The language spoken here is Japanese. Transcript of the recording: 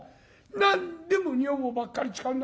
何でも女房ばっかり使うんだから。